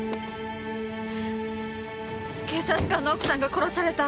警察官の奥さんが殺された。